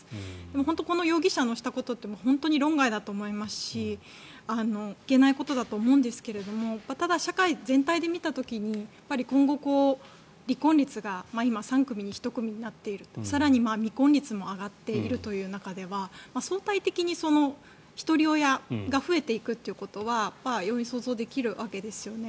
本当、この容疑者のしたことって論外だと思いますし行けないことだと思うんですがただ、社会全体で見た時に今後、離婚率が今、３組に１組になっている更に未婚率も上がっているという中では相対的にひとり親が増えていくということは容易に想像できるわけですよね。